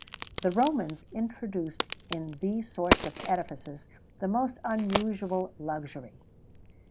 [XVII 92] The Romans introduced in these sorts of edifices the most unusual luxury.